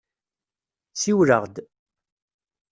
Siwel-aɣ-d.